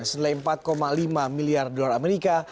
senilai empat lima miliar dolar amerika